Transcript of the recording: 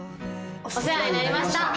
お世話になりました。